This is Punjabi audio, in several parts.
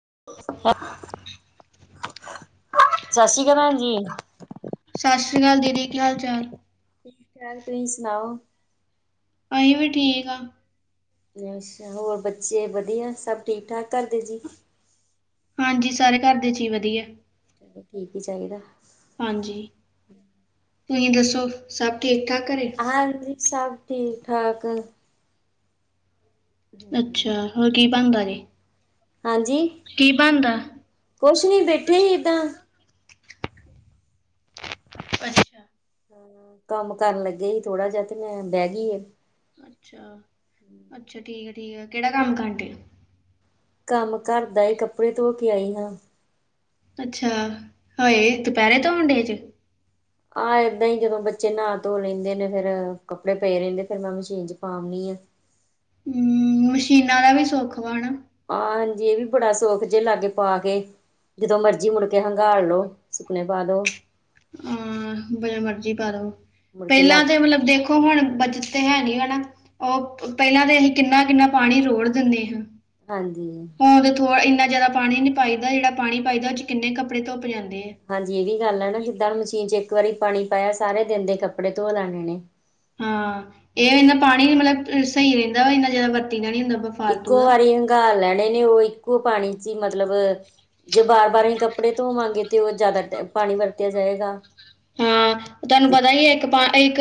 [inaudible] ਸਾਸੀ ਕਾਲ ਭੈਣ ਜੀ। ਸ਼ਸ਼ੀ ਕਾਲ ਦੀਦੀ, ਕੀ ਹਾਲ ਚਾਲ? ਠੀਕ ਠਾਕ, ਤੁਸੀਂ ਸੁਣਾਓ? ਅਸੀ ਵੀ ਠੀਕ ਆ। ਆਛਿਆ, ਹੋਰ ਬੱਚੇ ਵਧੀਆ, ਸਭ ਠੀਕ-ਠਾਕ ਘਰਦੇ ਜੀ। ਹਾਂਜੀ, ਸਾਰੇ ਘਰ ਦੇ ਜੀ ਵਧੀਆ। ਚਲੋ, ਠੀਕ ਈ ਚਾਈਦਾ। ਹਾਂਜੀ, ਤੁਸੀ ਦੱਸੋ, ਸਭ ਠੀਕ-ਠਾਕ ਘਰੇ? ਘਰੇ ਠੀਕ ਸਭ। ਠੀਕ-ਠਾਕ। ਅੱਛਾ, ਹੋਰ ਕੀ ਬਣਦਾ ਜੇ? ਹਾਂਜੀ, ਕੁਛ ਨੀ ਬੈਠੇ ਹੀ ਏਦਾਂ। ਅੱਛਾ। ਕੰਮ ਕਰਨ ਲੱਗੇ ਈ ਥੋੜਾ ਜਾ ਤੇ ਮੈਂ ਬਹਿ ਗਈ ਏ। ਅੱਛਾ, ਅੱਛਾ ਠੀਕ ਆ-ਠੀਕ ਆ, ਕਿਹੜਾ ਕੰਮ ਕਰਨ ਡਏ? ਕੰਮ ਘਰ ਦਾ ਈ, ਕੱਪੜੇ ਧੋ ਕੇ ਆਈ ਹਾਂ। ਅੱਛਾ, ਹਾਏ! ਦੁਪਹਿਰੇ ਧੋਣ ਡਏ ਜੇ। ਆਂ ਏਦਾਂ ਈ, ਜਦੋਂ ਬੱਚੇ ਨਹਾ-ਧੋ ਲੈਂਦੇ ਨੇ ਫਿਰ ਕੱਪੜੇ ਪਏ ਰਹਿੰਦੇ, ਫਿਰ ਮੈਂ ਮਸ਼ੀਨ ਚ ਪਾ ਆਣੀ ਆਂ। ਹਮ, ਮਸ਼ੀਨਾਂ ਦਾ ਵੀ ਸੁੱਖ ਵਾਲਾ। ਆਂਹ ਜੀ, ਇਹ ਵੀ ਬੜਾ ਸੁੱਖ ਜੇ ਲਾਗੇ ਪਾ ਕੇ। ਜਦੋਂ ਮਰਜ਼ੀ ਮੁੜ ਕੇ ਹੰਘਾਲ ਲੋੋ, ਸੁੱਕਨੇ ਪਾ ਦੋ। ਆਂਹ, ਮਰਜ਼ੀ ਤੇ ਪਾ ਦੋ, ਮੁੜਕੇ ਲੱਗ ਪਹਿਲਾਂ ਜੇ ਮਤਲਬ ਦੇਖੋ, ਹੁਣ ਬੱਚਤ ਤੇ ਹਾਨੀ ਹਨਾ। ਓਹ, ਪਹਿਲਾਂ ਤੇ ਅਹੀ ਕਿੰਨਾ-ਕਿੰਨਾ ਪਾਣੀ ਰੋੜ ਦਿੰਦੇ ਆਂ। ਹਾਂਜੀ। ਭ-ਅ-ਥੋਆ ਐਨਾ ਜਿਆਦਾ ਪਾਣੀ ਨੀ ਪਾਈਦਾ ਜਿਹੜਾ ਪਾਣੀ ਪਾਈਦਾ ਉਹ ਚ ਕਿੰਨੇ ਕੱਪੜੇ ਧੁਪ ਜਾਂਦੇ ਆ। ਹਾਂਜੀ ਇਹ ਵੀ ਗੱਲ ਆ ਨਾ ਜਿੱਦਾਂ ਮਸ਼ੀਨ ਚ ਇੱਕ ਵਾਰੀ ਪਾਣੀ ਪਾਇਆ ਸਾਰੇ ਦਿਨ ਦੇ ਕੱਪੜੇ ਧੋ ਲਾਣੈ ਨੇ। ਹਾਂ, ਇਹ ਹਨਾ ਐਨਾ ਪਾਣੀ ਮਤਲਬ ਸਹੀ ਰਹਿੰਦਾ ਇੰਨਾ ਜਾਦਾ ਵਰਤੀਦਾ ਨੀ ਹੁੰਦਾ ਵਾ। ਫਾਲਤੂ ਇੱਕੋ ਦਾ ਵਾਰੀ ਹੰਗਾਲ ਲੈਣੇ ਨੇ ਉਹ, ਇੱਕੋ ਪਾਣੀ ਚ ਈ ਮਤਲਬ ਜੇ ਬਾਰ- ਬਾਰ ਅਹੀਂ ਕੱਪੜੇ ਧੋਵਾਂਗੇ ਤੇ ਉਹ ਜਾਦਾ ਪਾਣੀ ਵਰਤਿਆ ਜਾਏਗਾ। ਹਾਂ, ਤੁਹਾਨੂੰ ਪਤਾ ਹੀ ਐ ਇੱਕ ਪਾ ਇੱਕ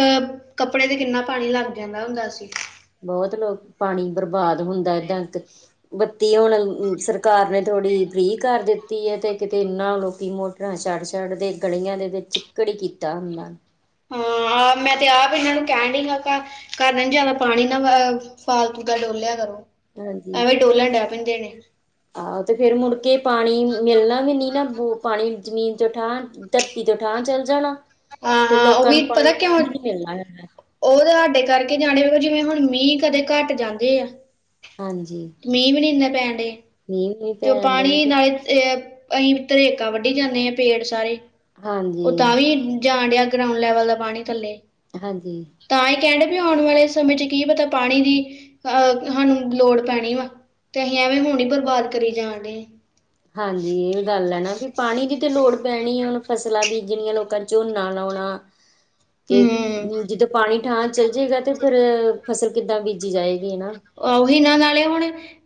ਕੱਪੜੇ ਤੇ ਕਿੰਨਾ ਪਾਣੀ ਲੱਗ ਜਾਂਦਾ ਹੁੰਦਾ ਸੀ। ਬਹੁਤ ਲੋਕ ਪਾਣੀ ਬਰਬਾਦ ਹੁੰਦਾ ਏਦਾਂ ਤਾਂ। ਬੱਤੀ ਹੁਣ ਸਰਕਾਰ ਨੇ ਥੋੜ੍ਹੀ ਫ੍ਰਰੀ ਕਰ ਦਿੱਤੀ ਐ ਤੇ ਕਿਤੇ ਇੰਨਾ ਲੋਕੀਂ ਮੋਟ ਰਾਂ ਛੱਡ -ਛੱਡ ਦੇ ਗਲੀਆਂ ਦੇ ਵਿੱਚ ਚਿੱਕੜ ਈ ਕੀਤਾ ਹੁੰਦਾ। [inaudible] ਹਾਂ, ਮੈਂ ਤੇ ਆਪ ਇਹਨਾਂ ਨੂੰ ਕਹਿਣ ਡਈ ਆਪਾ ਘਰ ਨਾ ਜਿਆਦਾ ਪਾਣੀ ਨਾ ਅਅ ਫਾਲਤੂ ਦਾ ਡੋਲਿਆ ਕਰੋ, ਐਵੇਂ ਡੋਲਣ ਡਹਿ ਪੈਂਦੇ [unintelligible] ਆਹ ਤੇ ਫਿਰ ਮੁੜਕੇ ਪਾਣੀ ਮਿਲਣਾ ਵੀ ਨੀ ਨਾ ਬੁ ਪਾਣੀ ਜ਼ਮੀਨ ਤੋਂ ਠਾਂ, ਧਰਤੀ ਤੋਂ ਠਾਂ ਚੱਲ ਜਾਣਾ। ਹਾਂ ਫਿਰ ਹਾਂ ਉਹ ਲੋਕਾਂ ਵੀ ਨੂੰ ਪਾਣੀ ਪਤਾ ਕਿਉਂ ਬੂੰਦ ਨੀ ਮਿਲਣਾ ਹੈਗਾ। ਉਹ ਤਾਂ ਹਾਡੇ ਕਰਕੇ ਜਾਣੇ ਵ ਜਿਵੇਂ ਹੁਣ ਮੀਂਹ ਕਦੇ ਘੱਟ ਜਾਂਦੇ ਆ। ਮੀਂਹ ਵੀ ਨੀ ਇੰਨਾ ਪੈਣ ਡਏ। ਨੀਲ। ਤੇ ਉਹ ਪਾਣੀ ਨਾਲੇ ਅ ਅਈ ਤਰੇਕਾਂ ਵੱਢੀ ਜਾਂਨੇ ਆ ਪੇੜ ਸਾਰੇ। ਉਹ ਹਾਂਜੀ ਤਾਂ ਵੀ ਜਾਣ ਡਿਆ ਗਰਾਉਂਡ ਲੈਵਲ ਦਾ ਪਾਣੀ ਥੱਲੇ। ਹਾਂਜੀ। ਤਾਂਹੀ ਕਹਿਣ ਡਏ ਆ ਵੀ ਆਉਣ ਵਾਲੇ ਸਮੇਂ ਵਿੱਚ ਕੀ ਪਤਾ ਪਾਣੀ ਦੀ ਅਹ ਸਾਨੂੰ ਲੋੜ ਪੈਣੀ ਵਾ ਤੇ ਅਸੀਂ ਐਵੇਂ ਹੁਣ ਹੀ ਬਰਬਾਦ ਕਰੀ ਜਾਣ ਡਏ ਆ। ਹਾਂਜੀ ਇਹ ਵੀ ਗੱਲ ਹੈ ਨਾ ਵੀ ਪਾਣੀ ਦੀ ਤਾਂ ਲੋੜ ਪੈਣੀ ਹੈ ਹੁਣ ਫਸਲਾਂ ਬੀਜਣੀਆਂ ਲੋਕਾਂ ਨੇ ਝੋਨਾ ਲਾਉਣਾ। [inaudible] ਤੇ, ਹੂੰ ਜਿੱਦੋਂ ਪਾਣੀ ਠਾਂ ਚੱਲ ਜਾਏਗਾ ਤੇ ਫਿਰ ਫਸਲ ਕਿੱਦਾਂ ਬੀਜੀ ਜਾਏਗੀ ਹਨਾ। ਉਹੀਨਾਂ ਨਾਲੇ ਹੁਣ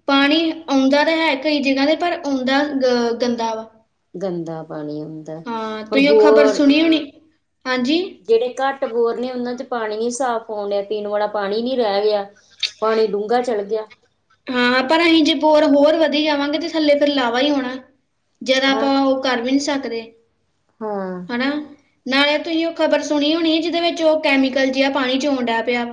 ਪਾਣੀ ਆਉਂਦਾ ਤਾਂ ਹੈ ਕਈ ਜਗ੍ਹਾ ਤੇ ਪਰ ਆਉਂਦਾ ਅ ਗੰਦਾ ਵਾ। ਗੰਦਾ ਪਾਣੀ। ਹਾਂ ਹੁਣ ਤੁਸੀਂ ਉਹ ਖ਼ਬਰ ਬੋਰ ਸੁਣੀ ਹੋਣੀ, ਹਾਂਜੀ। ਜਿਹੜੇ ਘੱਟ ਬੋਰ ਨੇ ਉਹਨਾਂ 'ਚ ਪਾਣੀ ਨੀ ਸਾਫ਼ ਆਉਣ ਡੀਆ, ਪੀਣ ਵਾਲਾ ਪਾਣੀ ਨੀ ਰਹਿ ਗਿਆ। ਪਾਣੀ ਡੂੰਘਾ ਚਲ ਗਿਆ। ਹਾਂ ਪਰ ਅਸੀਂ ਜੇ ਬੋਰ ਹੋਰ ਵਧੀ ਜਾਵਾਂਗੇ ਤੇ ਥੱਲੇ ਫੇਰ ਲਾਵਾ ਹੀ ਹੋਣਾ। ਜਿਆਦਾ ਹਾਂ ਆਪਾਂ ਉਹ ਕਰ ਵੀ ਨੀ ਸਕਦੇ। ਹਾਂ। ਹਨਾ, ਨਾਲੇ ਤੁਸੀਂ ਉਹ ਖ਼ਬਰ ਸੁਣੀ ਹੋਣੀ ਜਿਹਦੇ ਵਿੱਚ ਉਹ ਕੈਮੀਕਲ ਜਿਹਾ ਪਾਣੀ 'ਚੋ ਆਉਣ ਡੈ ਪਿਆ।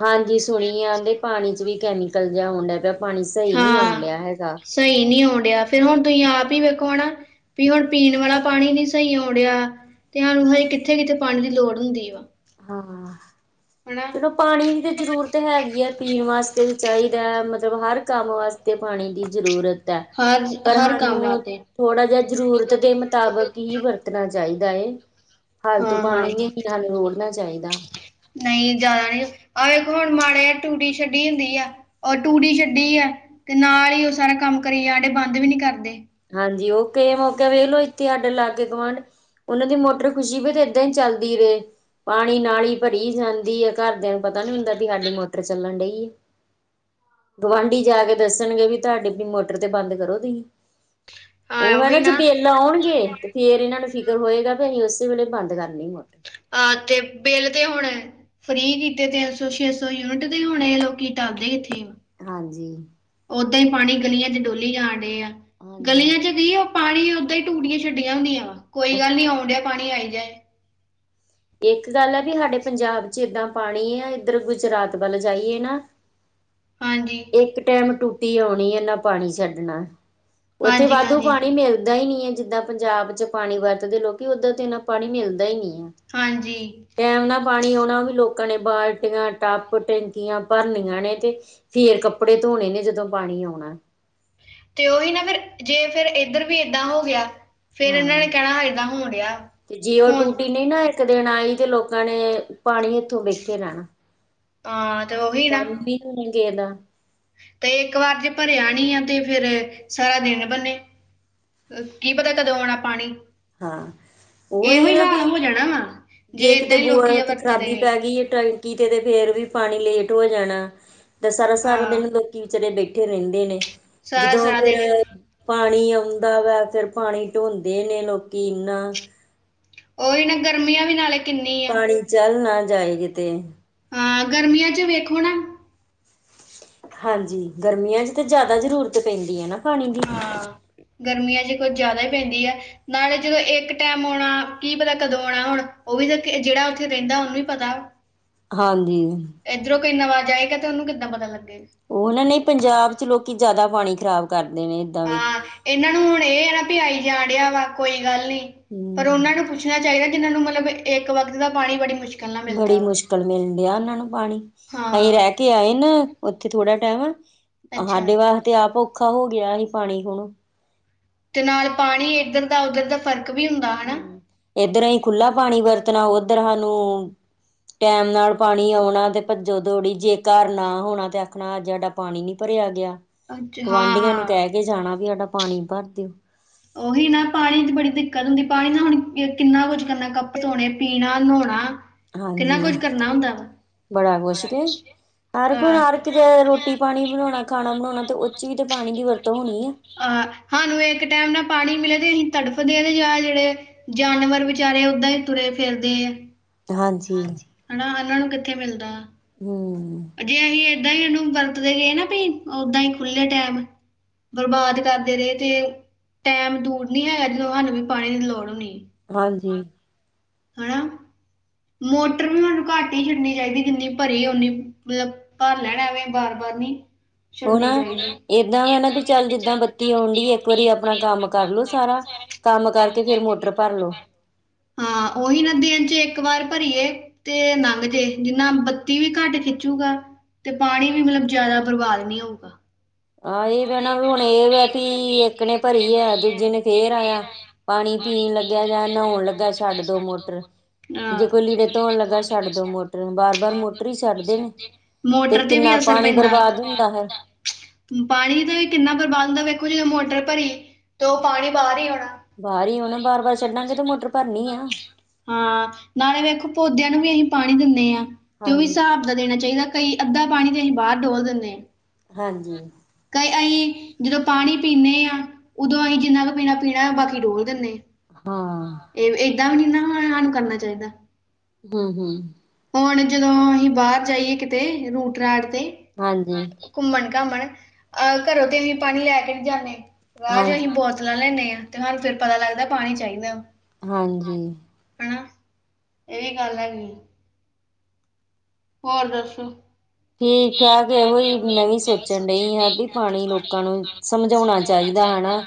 ਹਾਂਜੀ ਸੁਣੀਆ ਆਦੇ ਪਾਣੀ 'ਚ ਵੀ ਕੈਮੀਕਲ ਜਿਹਾ ਆਉਣ ਡੈ ਪਿਆ ਪਾਣੀ ਸਹੀ ਨੀ ਆਉਣ ਹਾਂ ਡਿਆ ਹੈਗਾ। ਸਹੀ ਨੀ ਆਉਣ ਡੈਆ, ਫਿਰ ਹੁਣ ਤੁਸੀਂ ਆਪ ਹੀ ਵੇਖੋ ਹਨਾ ਵੀ ਹੁਣ ਪੀਣ ਵਾਲਾ ਪਾਣੀ ਨੀ ਸਹੀ ਆਉਣ ਡਿਆ ਤੇ ਸਾਨੂੰ ਹਜੇ ਕਿੱਥੇ- ਕਿੱਥੇ ਪਾਣੀ ਦੀ ਲੋੜ ਹੁੰਦੀ ਵਾ, ਹਾਂ ਹਨਾ। ਚਲੋ ਪਾਣੀ ਦੀ ਤਾਂ ਜ਼ਰੂਰਤ ਹੈਗੀ ਹੈ ਪੀਣ ਵਾਸਤੇ ਵੀ ਚਾਹੀਦਾ ਮਤਲਬ ਹਰ ਕੰਮ ਵਾਸਤੇ ਤੇ ਪਾਣੀ ਦੀ ਜ਼ਰੂਰਤ ਹੈ ਹਰ ਪਰ ਹਰ ਕੰਮ ਸਾਨੂੰ ਵਾਸਤੇ ਥੋੜ੍ਹਾ ਜਿਹਾ ਜ਼ਰੂਰਤ ਦੇ ਮੁਤਾਬਕ ਕੀ ਵਰਤਣਾ ਚਾਹੀਦਾ ਹੈ, ਫਾਲਤੂ ਹਾਂ ਹਾਂ ਪਾਣੀ ਨੀ ਹੱਲ ਰੋੜਨਾ ਚਾਹੀਦਾ। ਨਹੀਂ ਜਿਆਦਾ ਨੀ ਆ ਦੇਖੋ ਹੁਣ ਮਾੜੇ ਆ ਟੂਟੀ ਛੱਡੀ ਹੁੰਦੀ ਆ। ਉਹ ਟੂਟੀ ਛੱਡੀ ਆ, ਤੇ ਨਾਲ ਹੀ ਉਹ ਸਾਰਾ ਕੰਮ ਕਰੀ ਜਾਣ ਡਏ ਬੰਦ ਵੀ ਨੀ ਕਰਦੇ। ਹਾਂਜੀ ਓਕੇ, ਮੌਕਾ ਵੇਖ ਲੋ ਇੱਥੇ ਸਾਡੇ ਲਾਗੇ ਗੁਆਂਢ ਉਹਨਾਂ ਦੀ ਮੋਟਰ ਖੁਸ਼ੀ ਵੀ ਤੇ ਏਦਾਂ ਹੀ ਚੱਲਦੀ ਵੇ ਰਹੇ ਪਾਣੀ ਨਾਲ ਹੀ ਭਰੀ ਜਾਂਦੀ ਹੈ ਘਰਦਿਆਂ ਪਤਾ ਨੀ ਹੁੰਦਾ ਵੀ ਸਾਡੀ ਮੋਟਰ ਚੱਲਣ ਡਈ ਏ। ਗੁਆਂਢੀ ਜਾ ਕੇ ਦੱਸਣਗੇ ਵੀ ਤੁਹਾਡੀੇ ਵੀ ਮੋਟਰ ਤੇ ਬੰਦ ਕਰੋ ਤੁਸੀ। ਹਾਂ ਉਹ ਹੈ ਨਾ ਉਹੀ ਜੇ ਬਿੱਲ ਆਉਣਗੇ, ਤੇ ਫੇਰ ਇਹਨਾਂ ਨੂੰ ਫਿਕਰ ਹੋਏਗਾ ਵੀ ਅਸੀਂ ਉਸੇ ਵੇਲੇ ਬੰਦ ਕਰਨੀ ਮੋਟਰ। ਆਹ ਤੇ ਬਿੱਲ ਤੇ ਹੁਣ ਫਰੀ ਕੀਤੇ ਤਿੰਨ ਸੌ, ਛੇ ਸੌ ਯੂਨਿਟ ਦੇ ਹੋਣੇ ਲੋਕੀ ਟਲਦੇ ਈ ਏਥੇ ਆ। ਹਾਂਜੀ। ਓਦਾਂ ਹੀ ਪਾਣੀ ਗਲੀਆਂ ਚ ਡੋਲੀ ਜਾਣ ਡਏ ਆ ਹਾਂਜੀ। ਗਲੀਆਂ ਚ ਕੀ ਉਹ ਪਾਣੀ ਓਦਾਂ ਹੀ ਟੂਟੀਆਂ ਛੱਡੀਆਂ ਹੁੰਦੀਆਂ ਵਾ ਕੋਈ ਗੱਲ ਨੀ ਆਉਣ ਡਿਆ ਪਾਣੀ ਆਈ ਜਾਏ। ਇੱਕ ਗੱਲ ਹੈ ਵੀ ਸਾਡੇ ਪੰਜਾਬ ਚ ਏਦਾਂ ਪਾਣੀ ਆ ਇੱਧਰ ਗੁਜਰਾਤ ਵੱਲ ਜਾਈਏ ਨਾ ਹਾਂਜੀ। ਇੱਕ ਟਾਇਮ ਟੂਟੀ ਆਉਣੀ ਆ ਨਾ ਪਾਣੀ ਛੱਡਣਾ। ਉੱਥੇ ਹਾਂਜੀ ਵਾਧੂ ਹਾਂਜੀ ਪਾਣੀ ਮਿਲਦਾ ਈ ਨੀ ਏ ਜਿੱਦਾਂ ਪੰਜਾਬ ਚ ਪਾਣੀ ਵਰਤਦੇ ਲੋਕੀ ਉੱਧਰ ਤੇ ਇਨ੍ਹਾਂ ਪਾਣੀ ਮਿਲਦਾ ਈ ਨੀ ਆ। ਹਾਂਜੀ। ਟਾਇਮ ਨਾਲ ਪਾਣੀ ਆਉਣਾ ਵੀ ਲੋਕਾਂ ਨੇ ਬਾਲਟੀਆਂ, ਟੱਬ, ਟੈਂਕੀਆਂ ਭਰਨੀਆਂ ਨੇ ਤੇ ਫੇਰ ਕੱਪੜੇ ਧੋਣੇ ਨੇ ਜਦੋਂ ਪਾਣੀ ਆਉਣਾ। ਤੇ ਉਹੀ ਨਾ ਫਿਰ ਜੇ ਫਿਰ ਏਧਰ ਵੀ ਏਦਾਂ ਹੋ ਗਿਆ ਫੇਰ ਇਹਨਾਂ ਨੇ ਹਾਂ। ਕਹਿਣਾ ਹੈ ਏਦਾਂ ਹੋਣ ਡਿਆ, ਹੁਣ। ਮੈਂ ਨਾ ਇੱਕ ਦਿਨ ਆਈ ਤੇ ਲੋਕਾਂ ਨੇ ਪਾਣੀ ਇੱਥੋਂ ਵਿਕ ਕੇ ਜਾਣਾ। ਹਾਂ ਤੇ ਉਹੀ ਨਾ। [unintelligible] ਤੇ ਇੱਕ ਵਾਰ ਜੇ ਭਰਿਆ ਨਹੀਂ ਆ ਤੇ ਫੇਰ ਸਾਰਾ ਦਿਨ ਬੰਨੇ ਕੀ ਪਤਾ ਕਦੋਂ ਆਉਣਾ ਪਾਣੀ। ਹਾਂ ਇਹੋ ਉਹਹੀ ਹੈ ਹੀ ਨਾ ਵੀ ਹਾਲ ਹੋ ਜਾਣਾ ਵਾ ਜੇ ਕਿਤੇ ਇਦਾਂ ਹੀ ਲੋਕੀ ਬੋਰਾਂ ਆ ਵਰਤਦੇ 'ਚ'ਖਰਾਬੀ ਗਏ ਪੈ ਜੇ ਟੈਂਕੀ ਤੇ ਫੇਰ ਵੀ ਪਾਣੀ ਲੇਟ ਹੋ ਜਾਣਾ ਤਾਂ ਸਾਰ- ਸਾਰਾ ਹਾਂ ਦਿਨ ਲੋਕੀ ਵਿਚਾਰੇ ਬੈਠੇ ਬੈਠੇ ਰਹਿੰਦੇ ਨੇ ਸਾਰਾ ਜਦੋਂ ਸਾਰਾ ਫਿਰ ਦਿਨ ਪਾਣੀ ਆਉਂਦਾ ਵਾ ਫਿਰ ਪਾਣੀ ਢੋਂਦੇ ਨੇ ਲੋਕੀ ਐਨਾ ਉਹੀ ਨਾ ਗਰਮੀਆਂ ਵੀ ਨਾਲੇ ਕਿੰਨੀ ਆ ਪਾਣੀ ਚੱਲ ਨਾ ਜਾਏ ਕਿਤੇ। ਹਾਂ, ਗਰਮੀਆਂ ਚ ਵੇਖੋ ਨਾ ਹਾਂਜੀ ਗਰਮੀਆਂ ਚ ਤਾਂ ਜ਼ਿਆਦਾ ਜ਼ਰੂਰਤ ਪੈਂਦੀ ਹੈ ਨਾ ਪਾਣੀ ਦੀ। ਹਾਂ ਗਰਮੀਆਂ 'ਚ ਕੁਛ ਜ਼ਿਆਦਾ ਹੀ ਪੈਂਦੀ ਆ। ਨਾਲੇ ਜਦੋਂ ਇੱਕ ਟਾਈਮ ਆਉਣਾ, ਕੀ ਪਤਾ ਕਦੋਂ ਆਉਣਾ ਹੁਣ ਉਹ ਵੀ ਤਾਂ ਜਿਹੜਾ ਉੱਥੇ ਰਹਿੰਦਾ ਉਹਨੂੰ ਹੀ ਪਤਾ। ਹਾਂਜੀ। ਇੱਧਰੋਂ ਕੋਈ ਨਵਾ ਜਾਏਗਾ ਤੇ ਉਹਨੂੰ ਕਿੱਦਾਂ ਪਤਾ ਲੱਗੇਗਾ। ਉਹ ਹਨਾ ਨਹੀਂ ਪੰਜਾਬ ਚ ਲੋਕੀ ਜ਼ਿਆਦਾ ਪਾਣੀ ਖ਼ਰਾਬ ਕਰਦੇ ਨੇ ਏਦਾਂ ਵੀ। ਹਾਂ ਇਹਨਾਂ ਨੂੰ ਹੁਣ ਇਹ ਹੈ ਨਾ ਵੀ ਆਈ ਜਾਣ ਡਿਆ ਕੋਈ ਗੱਲ ਨੀ, ਫਿਰ ਹਮ ਉਹਨਾਂ ਨੂੰ ਪੁਛ ਪੁੱਛਣਾ ਚਾਹੀਦਾ ਜਿਹਨਾਂ ਨੂੰ ਮਤਲਬ ਇੱਕ ਵਕਤ ਦਾ ਪਾਣੀ ਬੜੀ ਮੁਸ਼ਕਿਲ ਬੜੀ ਮੁਸ਼ਕਿਲ ਮਿਲਣ ਡਿਆ ਉਹਨਾਂ ਨੂੰ ਪਾਣੀ, ਉਹੀ ਹਾਂ ਰਹਿਤ ਆਏ ਨੇ ਉੱਥੇ ਥੋੜਾ ਟਾਈਮ, ਅੱਛਾ ਸਾਡੇ ਵਾਸਤੇ ਤੇ ਆਪ ਔਖਾ ਹੋ ਗਿਆ ਹੀ ਪਾਣੀ ਹੁਣ। ਤੇ ਨਾਲੇ ਪਾਣੀ ਇੱਧਰ ਦਾ ਉੱਧਰ ਦਾ ਫ਼ਰਕ ਵੀ ਹੁੰਦਾ। ਹਨਾ ਹਮ ਏਧਰ ਅਸੀ ਖੁੱਲ੍ਹਾ ਪਾਣੀ ਵਰਤਣਾ ਉਧਰ ਸਾਨੂੰ ਟੈਮ ਨਾਲ ਪਾਣੀ ਆਉਣਾ ਤੇ ਭੱਜੋ ਦੌੜੀ ਜੇ ਘਰ ਨਾ ਹੋਣਾ ਤੇ ਆਖਣਾ ਆ ਜਿਹੜਾ ਪਾਣੀ ਨੀ ਭਰਿਆ ਗਿਆ, ਅੱਛਾ ਹਾਂ ਗੁਆਂਢੀਆਂ ਨੂੰ ਹਾਂ ਕਹਿ ਕੇ ਜਾਣਾ ਵੀ ਸਾਡਾ ਪਾਣੀ ਭਰ ਦਿਓ। ਉਹੀ ਨਾ ਪਾਣੀ ਦੀ ਬੜੀ ਦਿੱਕਤ ਹੁੰਦੀ ਪਾਣੀ ਨਾ ਹੁਣ ਕਿੰਨਾ ਕੁਝ ਕਰਨਾ ਕੱਪੜ ਧੋਣੇ, ਪੀਣਾ, ਨੋਣਾ। ਕਿੰਨਾ ਕੁਝ ਹਾਂਜੀ ਕਰਨਾ ਹੁੰਦਾ ਵਾ। ਬੜਾ ਕੁਛ ਕੇ ਹਰ ਹੁਣ ਅਹ, ਹਰ ਇੱਕ ਜ ਰੋਟੀ ਪਾਣੀ ਬਣਾਉਣਾ ਖਾਣਾ ਬਣਾਉਣਾ ਤੇ ਉਹ ਚ ਵੀ ਤਾਂ ਪਾਣੀ ਦੀ ਵਰਤੋਂ ਹੋਣੀ ਏ। ਆਹ ਸਾਨੂੰ ਇੱਕ ਟਾਈਮ ਨਾ ਪਾਣੀ ਮਿਲੇ ਤੇ ਅਸੀਂ ਤੜਫਦੇ ਤੇ ਆ ਜਿਹੜੇ ਜਾਨਵਰ ਵਿਚਾਰੇ ਓਦਾਂ ਹੀ ਤੁਰੇ ਫਿਰਦੇ ਆ। ਹਾਂਜੀ। ਹਨਾ ਉਹਨਾਂ ਨੂੰ ਕਿੱਥੇ ਮਿਲਦਾ। ਹਮ। ਜੇ ਅਸੀਂ ਏਦਾਂ ਹੀ ਇਹਨੂੰ ਵਰਤਦੇ ਗਏ ਨਾ ਪੀਣ ਓਦਾਂ ਹੀ ਖੁੱਲੇ ਟੈਮ ਬਰਬਾਦ ਕਰਦੇ ਰਹੇ ਤੇ ਟੈਮ ਦੂਰ ਨੀ ਹੈਗਾ ਜਦੋਂ ਸਾਨੂੰ ਵੀ ਪਾਣੀ ਦੀ ਲੋੜ ਹੋਣੀ। ਹਾਂਜੀ। ਹਨਾ, ਮੋਟਰ ਵੀ ਮੈਨੂੰ ਘੱਟ ਨਹੀ ਛੱਡਣੀ ਚਾਹੀਦੀ ਜਿੰਨੀ ਭਰੀ ਓਨੀ ਮਤਲਬ ਭਰ ਲੈਣਾ ਐਵੇਂ ਬਾਰ -ਬਾਰ ਨੀ। ਹੁਣ ਏਦਾਂ ਵਾ ਨਾ ਵੀ ਚੱਲ ਜਿੱਦਾਂ ਬੱਤੀ ਆਉਣ ਡੈਈ ਇੱਕ ਵਾਰੀ ਆਪਣਾ ਕੰਮ ਕਰਲੋ ਸਾਰਾ ਕੰਮ ਕਰਕੇ ਫਿਰ ਮੋਟਰ ਭਰ ਲੋ। ਹਾਂ ਉਹੀ ਨਾ ਦਿਨ ਚ ਇੱਕ ਵਾਰ ਭਰੀਏ। ਤੇ ਲੰਘ ਜੇ ਜਿੰਨਾ ਬੱਤੀ ਵੀ ਘੱਟ ਖਿੱਚੂਗਾ। ਤੇ ਪਾਣੀ ਵੀ ਮਤਲਬ ਜਿਆਦਾ ਬਰਬਾਦ ਨਹੀਂ ਹੋਊਗਾ। ਆਹ ਇਹ ਕਹਿਣਾ ਹੁਣ ਇਹ ਵ ਇੱਕ ਨੇ ਭਰੀ ਆ ਦੂਜੇ ਨੇ ਫੇਰ ਆਇਆ। ਪਾਣੀ ਪੀਣ ਲੱਗਿਆ ਜਾਂ ਨਹਾਉਣ ਲੱਗਾ ਛੱਡ ਦੋ ਮੋਟਰ। ਜੇ ਹਾਂ ਕੋਈ ਲੀੜੇ ਧੋਣ ਲੱਗਾ ਛੱਡ ਦੋ ਮੋਟਰ ਬਾਰ - ਬਾਰ ਮੋਟਰ ਹੀ ਛੱਡਦੇ ਨੇ। ਤੇ ਮੋਟਰ ਕਿੰਨਾ ਵੀ ਅਸਰ ਪਾਣੀ ਪੈਂਦਾ ਬਰਬਾਦ ਹੁੰਦਾ ਫਿਰ। ਹੁੰਦਾ ਪਾਣੀ ਦਾ ਵੀ ਕਿੰਨਾ ਪ੍ਰਬੰਧ ਆ ਵੇਖੋ ਜੀ ਮੈਂ ਮੋਟਰ ਭਰੀ। ਤੇ ਉਹ ਪਾਣੀ ਬਾਹਰ ਹੀ ਆਉਣਾ ਬਾਹਰ ਹੀ ਆਉਣਾ ਬਾਰ - ਬਾਰ ਛੱਡਾਂਗੇ ਤੇ ਮੋਟਰ ਭਰਨੀ ਆ। ਹਾਂ ਨਾਲੇ ਵੇਖੋ ਪੌਦਿਆਂ ਨੂੰ ਵੀ ਅਸੀਂ ਪਾਣੀ ਦਿੰਦੇ ਆਂ ਤੇ ਉਹ ਵੀ ਹਾਂਜੀ। ਸਾਬ ਦਾ ਦੇਣਾ ਚਾਹੀਦਾ। ਕਈ ਅੱਧਾ ਪਾਣੀ ਤੇ ਅਸੀਂ ਬਾਹਰ ਡੋਲ ਦਿੰਨੇ ਆਂ। ਹਾਂਜੀ। ਕਈ ਆਂਈ ਜਦੋਂ ਪਾਣੀ ਪੀਂਨੇ ਆਂ ਉਦੋਂ ਆਂਈ ਜਿੰਨਾ ਕੁ ਪੀਣਾ- ਪੀਣਾ ਬਾਕੀ ਡੋਲ੍ਹ ਦਿੰਨੇ ਆ। ਹਾਂ -ਹਾਂ ਇਹ ਏਦਾਂ ਵੀ ਏਨਾ ਨੂੰ ਹੈਰਾਨ ਕਰਨਾ ਚਾਹੀਦਾ। ਹੂੰ - ਹੂੰ। ਹੁਣ ਜਦੋਂ ਅਸੀਂ ਬਾਹਰ ਜਾਈਏ ਕਿਤੇ ਰੂਟ- ਰਾਟ ਤੇ ਹਾਂਜੀ। ਘੁੰਮਣ -ਘਾਮਣ ਘਰੋਂ ਤੇ ਅਸੀਂ ਪਾਣੀ ਲੈ ਕੇ ਨਹੀਂ ਜਾਂਨੇ ਬਾਅਦ 'ਚ ਹਾਂਜੀ, ਅਸੀਂ ਬੋਤਲਾਂ ਲੈਂਨੇ ਆ। ਤੇ ਤੁਹਾਨੂੰ ਫਿਰ ਪਤਾ ਲੱਗਦਾ ਪਾਣੀ ਚਾਹੀਦਾ। ਹਾਂਜੀ। ਹਮ। ਇਹ ਵੀ ਗੱਲ ਹੈਗੀ। ਹੋਰ ਦੱਸੋ ਠੀਕ - ਠਾਕ ਇਹੋ ਹੀ ਮੈਂ ਵੀ ਸੋਚਣ ਡਹੀ ਆ ਵੀ ਪਾਣੀ ਲੋਕਾਂ ਨੂੰ ਸਮਝਾਉਣਾ ਚਾਹੀਦਾ ਹਨਾ।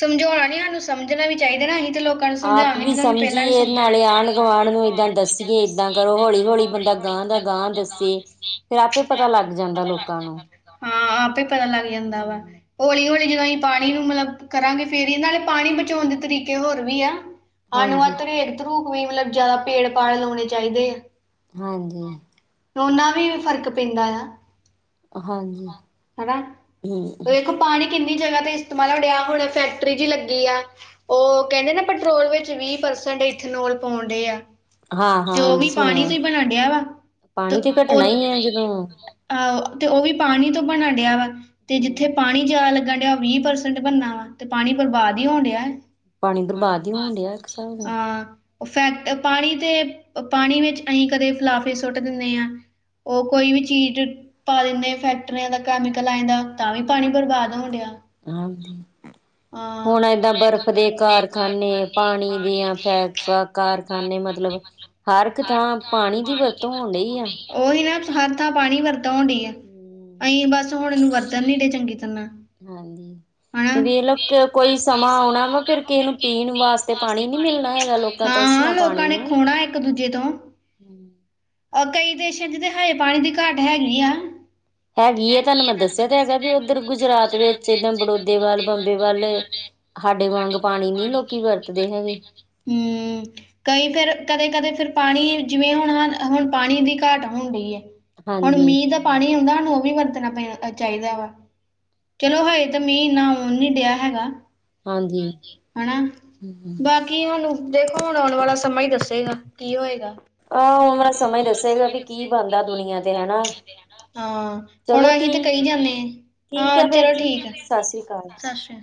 ਸਮਝਾਉਣਾ ਨੀ ਉਹਨੂੰ ਸਮਝਣਾ ਵੀ ਚਾਹੀਦਾ ਏਹੀ ਤਾਂ ਲੋਕ ਆਪ ਵੀ ਸਮਝੀਏ ਨਾਲੇ ਆਂਢ-ਗੁਆਂਢ ਨੂੰ ਏਦਾਂ ਦੱਸੀਏ ਏਦਾਂ ਕਰੋ ਹੌਲੀ-ਹੌਲੀ ਬੰਦਾ ਗਾਂਹ ਦਾ ਗਾਂਹ ਦੱਸੇ। ਫਿਰ ਆਪੇ ਪਤਾ ਲੱਗ ਜਾਂਦਾ ਲੋਕਾਂ ਨੂੰ। ਹਾਂ, ਆਪੇ ਪਤਾ ਲੱਗ ਜਾਂਦਾ ਵਾ। ਹੂੰ ਹੌਲੀ-ਹੌਲੀ ਜਦੋਂ ਅਸੀਂ ਪਾਣੀ ਨੂੰ ਮਤਲਬ ਕਰਾਂਗੇ ਫੇਰ ਹੀ ਨਾਲੇ ਪਾਣੀ ਬਚਾਉਣ ਦੇ ਤਰੀਕੇ ਹੋਰ ਵੀ ਆ। ਅਣ- ਹਾਂਜੀ, ਮਾਤਰ ਏਧਰੋਂ ਕੋਈ ਮਤਲਬ ਜਿਆਦਾ ਪੇੜ-ਪਾੜ ਲਾਣੇ ਚਾਹੀਦੇ ਆ। ਹਾਂਜੀ। ਲਾਣ ਨਾਲ਼ ਵੀ ਫ਼ਰਕ ਪੈਂਦਾ ਆ। ਹਾਂਜੀ। ਹਨਾ, ਹੂੰ, ਦੇਖੋ ਪਾਣੀ ਕਿੰਨੀ ਜਗ੍ਹਾ ਤੇ ਮੰਨ ਡਿਆ ਹੁਣ ਫੈਕਟਰੀ ਜੀ ਲੱਗੀ ਆ। ਉਹ ਕਹਿੰਦੇ ਪੈਟਰੋਲ ਵਿੱਚ ਵੀਹ ਪਰਸੈਟ ਇਥੇਨੋਲ ਪਾਉਣ ਡਏ ਆ। ਹਾਂ-ਹਾਂ ਤੇ ਉਹ ਹਾਂਜੀ ਵੀ ਪਾਣੀ ਤੋਂ ਸੁਣਿਆ। ਹੀ ਬਣਨ ਡਿਆ ਵਾ। ਅ ਪਾਣੀ ਤੇ ਓ ਅ ਘਟਣਾ ਹੀ ਹੈ ਨਹੀਂ ਜਦੋਂ ਏ, ਤੇ ਉਹ ਵੀ ਪਾਣੀ ਤੋਂ ਬਣਨ ਡਿਆ ਵਾ ਤੇ ਹਮ ਜਿੱਥੇ ਪਾਣੀ ਜਿਆਦਾ ਲੱਗਣ ਡਿਆ ਵੀਹ ਪਰਸੈਂਟ ਬਣਨਾ ਵਾ ਤੇ ਪਾਣੀ ਬਰਬਾਦ ਹੀ ਹੋਣ ਡਿਆ। ਪਾਣੀ ਬਰਬਾਦ ਹੀ ਹੋਣ ਡਿਆ ਇੱਕ ਸਾਬ ਨਾਲ। ਇਫੈਕਟ ਪਾਣੀ ਤੇ ਪਾਣੀ ਵਿੱਚ ਨਹੀਂ ਕਦੇ ਫਲਾਫਿ- ਸੁੱਟ ਦਿੰਨੇ ਆ। ਉਹ ਕੋਈ ਚੀਜ਼ ਪਾ ਦਿੰਨੇ ਆ ਫੈਕਟਰੀਆਂ ਦਾ ਕੈਮੀਕਲ ਆ ਜਾਂਦਾ। ਤਾਂ ਵੀ ਪਾਣੀ ਬਰਬਾਦ ਹੋਣ ਡਿਆ। ਹਾਂਜੀ ਹਾਂ। ਹੁਣ ਏਦਾਂ ਬਰਫ਼ ਦੇ ਕਾਰਖਾਨੇ ਪਾਣੀ ਦਿਆਂ ਫੈਕ ਕਾਰਖਾਨੇ ਮਤਲਬ। ਹਰ ਇੱਕ ਥਾਂ ਪਾਣੀ ਦੀ ਵਰਤੋਂ ਹੋਣ ਡਈ ਆ। ਉਹੀ ਨਾ ਹਰ ਥਾਂ ਪਾਣੀ ਵਰਤੋਂ ਹੋਣ ਡਈ ਆ। ਆਈ ਬਸ ਹੁਣ ਇਹਨੂੰ ਵਰਤਣ ਨੀ ਡਏ ਚੰਗੀ ਤਰ੍ਹਾਂ। ਹਾਂਜੀ। ਹਨਾ। ਵੇਖਲੋ ਕੋਈ ਸਮਾਂ ਆਉਣਾ ਵਾ ਫਿਰ ਕਿਸੇ ਨੂੰ ਪੀਣ ਵਾਸਤੇ ਪਾਣੀ ਨੀ ਮਿਲਣਾ ਹੈਗਾ ਲੋ। ਹਾਂ, ਲੋਕਾਂ ਨੇ ਖੋਨਾ ਇੱਕ-ਦੂਜੇ ਤੋਂ। [inaudible] ਆ ਕਈ ਦੇਸ਼ਾਂ 'ਚ ਤਾਂ ਹਾਏ ਪਾਣੀ ਦੀ ਘਾਟ ਹੈਗੀ ਆ। ਹੈਗੀ ਏ। ਤੁਹਾਨੂੰ ਮੈਂ ਦੱਸਿਆ ਤਾਂ ਹੈਗਾ ਉੱਧਰ ਗੁਜਰਾਤ ਵਿੱਚ, ਏਦਾਂ ਬੜੋਦੇ ਵੱਲ, ਬੰਬੇ ਵੱਲ। ਹਾਡੇ ਵਾਂਗ ਪਾਣੀ ਨੀ ਲੋਕੀ ਵਰਤਦੇ ਹੈਗੇ। ਹੂੰ, ਕਈ ਘਰ ਕਦੇ-ਕਦੇ ਫਿਰ ਪਾਣੀ ਜਿਵੇਂ ਹੁਣ ਹਨ ਹੁਣ ਪਾਣੀ ਦੀ ਘਾਟ ਹੋਣ ਡਈ ਏ, ਹੁਣ ਹਾਂਜੀ, ਮੀਂਹ ਦਾ ਪਾਣੀ ਆਉਦਾ ਹਾਨੂੰ ਉਹ ਵੀ ਵਰਤਣਾ ਪੈਣਾ ਚਾਈਦਾ ਵਾ। ਚਲੋ ਹਜੇ ਤਾਂ ਮੀਂਹ ਇੰਨਾ ਆਉਣ ਨੀ ਡਿਆ ਹੈਗਾ। ਹਾਂਜੀ, ਹਨਾ। ਬਾਕੀ ਹੁਣ, ਦੇਖੋ ਹੁਣ ਆਉਣ ਵਾਲਾ ਸਮਾਂ ਈ ਦੱਸੇਗਾ, ਕੀ ਹੋਏਗਾ? ਆਹ ਆਉਣ ਵਾਲਾ ਸਮਾਂ ਈ ਦੱਸੇਗਾ ਵੀ ਕੀ ਬਣਦਾ ਦੁਨੀਆਂ ਤੇ ਹਨਾ। ਹਾਂ, ਹੁਣ ਚਲੋ ਅਹੀ ਤੇ ਠੀਕ, ਕਈ ਜਾਂਨੇ ਆਂ, ਠੀਕ ਹਾਂ, ਹੈ ਫੇਰ ਚਲੋ ਜੀ, ਠੀਕ ਆ, ਸਤਿ ਸ੍ਰੀ ਅਕਾਲ। ਸ਼ਸ਼ੀ ਕਾ-